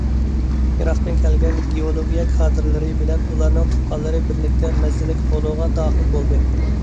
يىراقتىن كەلگەن گېئولوگىيە كادىرلىرى بىلەن ئۇلارنىڭ تۇغقانلىرى بىرلىكتە مەززىلىك پولۇغا داخىل بولدى.